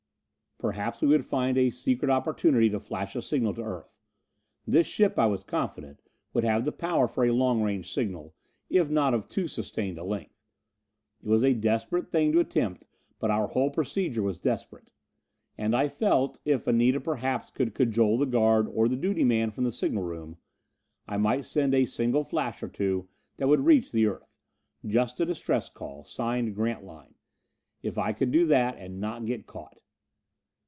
Perhaps we would find a secret opportunity to flash a signal to Earth. This ship, I was confident, would have the power for a long range signal, if not of too sustained a length. It was a desperate thing to attempt but our whole procedure was desperate! And I felt if Anita perhaps could cajole the guard or the duty man from the signal room I might send a single flash or two that would reach the Earth. Just a distress call, signed "Grantline." If I could do that and not get caught.